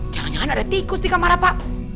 jangan jangan ada tikus di kamar rafa